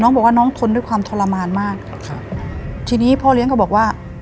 บอกว่าน้องทนด้วยความทรมานมากครับทีนี้พ่อเลี้ยงก็บอกว่า